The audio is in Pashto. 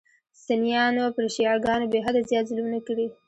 سنیانو پر شیعه ګانو بېحده زیات ظلمونه کړي.